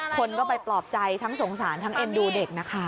คนก็ไปปลอบใจทั้งสงสารทั้งเอ็นดูเด็กนะคะ